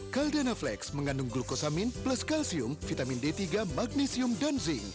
caldana flex mengandung glukosamin plus kalsium vitamin d tiga magnesium dan zinc